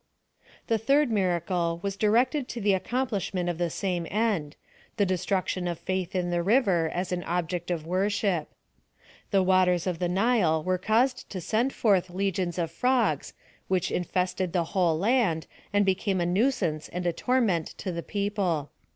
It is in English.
The third miracle was directed to the accom plishment of the same end — the destruction of faith in the river as an object of worship. The waters of the Nile were caused to send forth legions of frogs, which infested the whole land, and became a nuisance and a torment to the people.